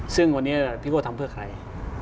ซึ่งวันนี้พี่โบ้ทำเพื่อใคร